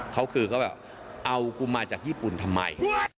เขาคือเขาแบบเอากูมาจากญี่ปุ่นทำไม